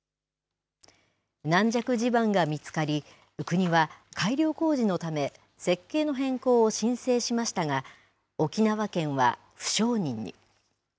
軟弱地盤が見つかり、国は改良工事のため、設計の変更を申請しましたが、沖縄県は不承認に。